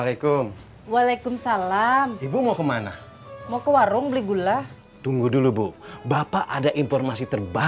ingat dlm numero